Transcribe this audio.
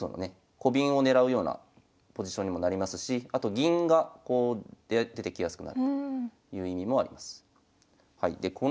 コビンをねらうようなポジションにもなりますしあと銀がこう出てきやすくなるという意味もあります。